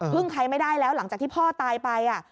ใครไม่ได้แล้วหลังจากที่พ่อตายไป